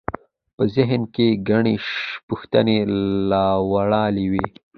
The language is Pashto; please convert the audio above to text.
په ذهن کې ګڼې پوښتنې راولاړوي.